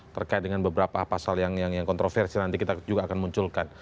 terkait dengan beberapa pasal yang kontroversi nanti kita juga akan munculkan